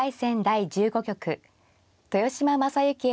第１５局豊島将之